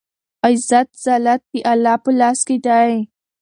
عزت ذلت دالله په لاس کې دی